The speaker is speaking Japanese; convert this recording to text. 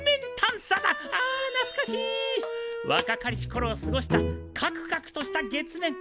ああなつかしい若かりしころを過ごしたカクカクとした月面。